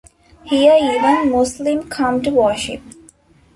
Here even Muslim come to worship.